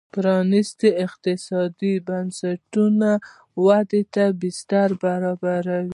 پرانیستي اقتصادي بنسټونه ودې ته بستر برابروي.